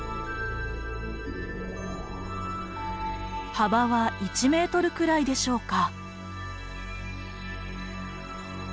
幅は１メートルくらいでしょうか。